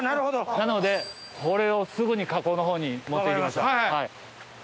なのでこれをすぐに加工のほうに持って行きましょう。